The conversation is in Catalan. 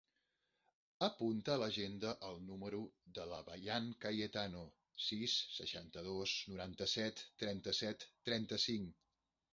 Apunta a l'agenda el número de la Bayan Cayetano: sis, seixanta-dos, noranta-set, trenta-set, trenta-cinc.